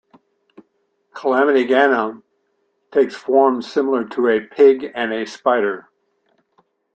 Calamity Ganon takes forms similar to a pig and a spider.